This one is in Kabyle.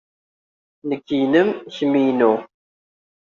Nekk inem, kemm inu.